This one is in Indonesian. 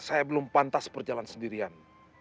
saya belum pantas berjalan sendirian